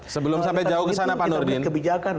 sebelum sampai jauh ke sana pak nurdin